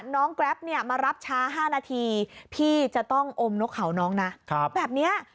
แกรปเนี่ยมารับช้า๕นาทีพี่จะต้องอมนกเขาน้องนะแบบนี้